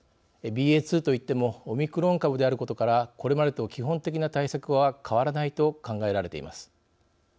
ＢＡ．２といってもオミクロン株であることからこれまでと基本的な対策は変わらないと考えられています。